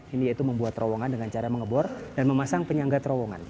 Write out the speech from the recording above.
ini yaitu membuat terowongan dengan cara mengebor dan memasang penyangga terowongan